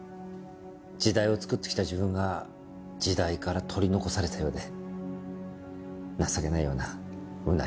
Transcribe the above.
時代を作ってきた自分が時代から取り残されたようで情けないようなむなしいような。